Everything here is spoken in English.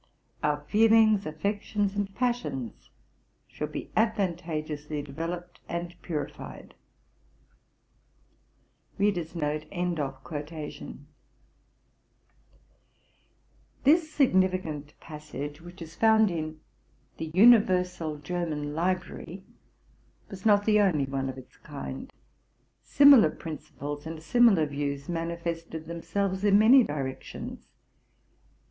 Our feelings, affections, and passions should be advantageously developed and purified."' This significant passage, which is found in '* The Universal German Library,'' was not the only one of its kind. Similar principles and similar views manifested themselves in many directions.